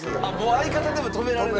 相方でも止められない。